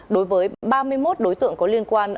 đối với ba mươi một đối tượng có liên quan